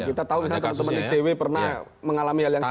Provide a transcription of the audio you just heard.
kita tahu misalnya teman teman icw pernah mengalami hal yang sama